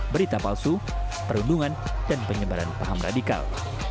berita palsu perundungan dan penyebaran paham radikal